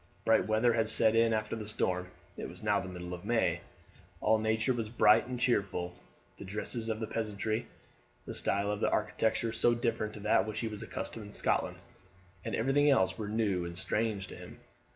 Bright weather had set in after the storm. It was now the middle of May, all nature was bright and cheerful, the dresses of the peasantry, the style of architecture so different to that to which he was accustomed in Scotland, and everything else were new and strange to him.